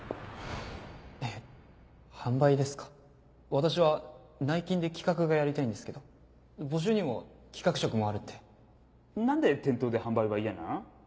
私は内勤で企画がやりたいんですけど募集にも企画職もあるって何で店頭で販売は嫌なん？